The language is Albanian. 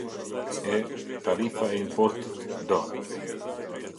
E, tarifa e importit do.